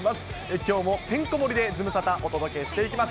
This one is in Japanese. きょうもてんこ盛りでズムサタ、お届けしていきます。